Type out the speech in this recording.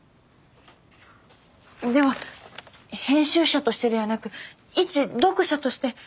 では編集者としてではなく一読者として。